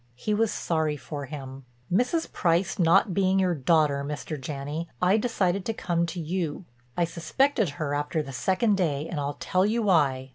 He was sorry for him: "Mrs. Price not being your daughter, Mr. Janney, I decided to come to you. I suspected her after the second day and I'll tell you why.